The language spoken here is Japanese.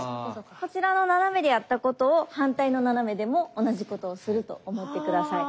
こちらの斜めでやったことを反対の斜めでも同じことをすると思って下さい。